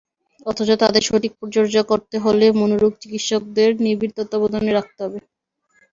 অথচ তাদের সঠিক পরিচর্যা করতে হলে মনোরোগ চিকিৎসকদের নিবিড় তত্ত্বাবধানে রাখতে হবে।